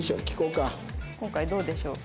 今回どうでしょう？